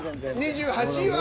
２８位は。